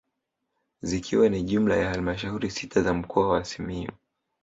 Zikiwa ni jumla ya halmashauri sita za mkoa wa Simiyu